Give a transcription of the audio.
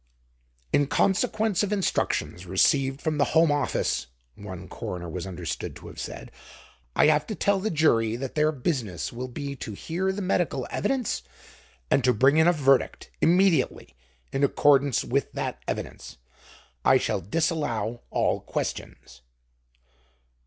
"In consequence of instructions received from the Home Office," one coroner was understood to have said, "I have to tell the jury that their business will be to hear the medical evidence and to bring in a verdict immediately in accordance with that evidence. I shall disallow all questions."